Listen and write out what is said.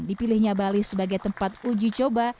dipilihnya bali sebagai tempat ujicoba